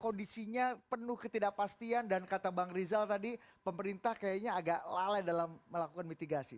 kondisinya penuh ketidakpastian dan kata bang rizal tadi pemerintah kayaknya agak lalai dalam melakukan mitigasi